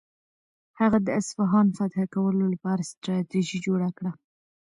هغه د اصفهان فتح کولو لپاره ستراتیژي جوړه کړه.